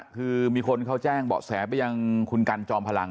คือมีคนเขาแจ้งเบาะแสไปยังคุณกันจอมพลัง